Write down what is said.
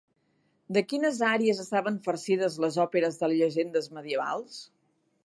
De quines àries estaven farcides les òperes de llegendes medievals?